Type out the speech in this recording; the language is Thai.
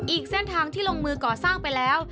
อีกเส้นทางที่ลงมือก่อสร้างไปแล้ว